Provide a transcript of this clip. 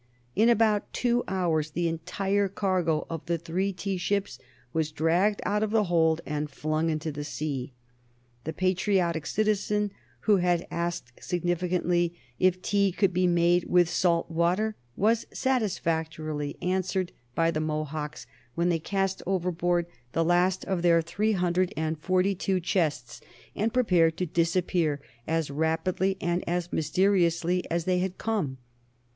In about two hours the entire cargo of the three tea ships was dragged out of the hold and flung into the sea. The patriotic citizen who had asked significantly if tea could be made with salt water was satisfactorily answered by the Mohawks when they cast overboard the last of their three hundred and forty two chests, and prepared to disappear as rapidly and as mysteriously as they had come.